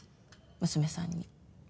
娘さんに。